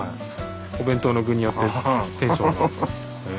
お弁当の具によってテンションが。